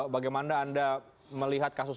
bagaimana anda melihat kasus